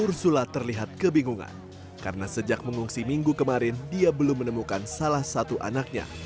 ursula terlihat kebingungan karena sejak mengungsi minggu kemarin dia belum menemukan salah satu anaknya